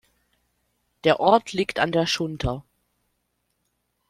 Der Ort liegt an der Schunter.